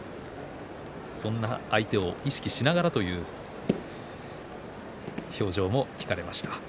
そんな相手を意識しながらという表情も聞かれました。